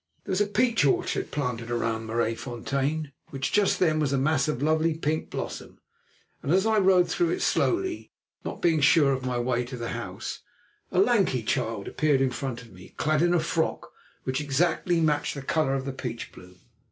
There was a peach orchard planted round Maraisfontein, which just then was a mass of lovely pink blossom, and as I rode through it slowly, not being sure of my way to the house, a lanky child appeared in front of me, clad in a frock which exactly matched the colour of the peach bloom.